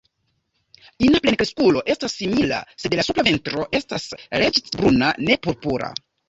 Ina plenkreskulo estas simila, sed la supra ventro estas ruĝecbruna, ne purpura.